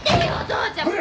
父ちゃん。